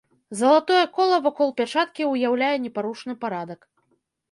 Залатое кола вакол пячаткі ўяўляе непарушны парадак.